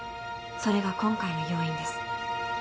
それが今回の要因です。